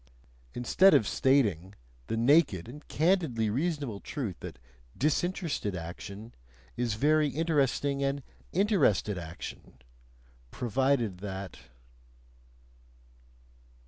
instead of stating the naked and candidly reasonable truth that "disinterested" action is very interesting and "interested" action, provided that...